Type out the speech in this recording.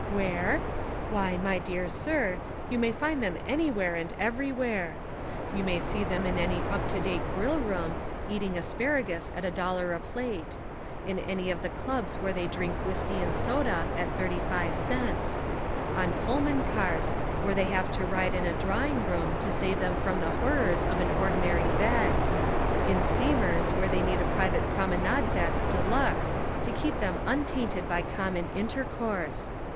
Where? Why, my dear sir, you may find them anywhere and everywhere. You may see them in any up to date grill room eating as paragus at a dollar a plate; in any of the clubs where they drink whiskey and soda at thirty five cents; on Pullman cars where they have to ride in a drawing room to save them from the horrors of an ordinary bed; in steam ers where they need a private promenade deck de luxe to keep them untainted by common in 184 The Lot of the Schoolmaster tercourse.